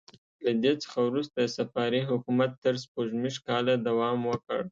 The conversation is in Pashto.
له دې څخه وروسته صفاري حکومت تر سپوږمیز کاله دوام وکړ.